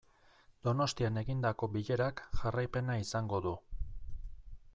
Donostian egindako bilerak jarraipena izango du.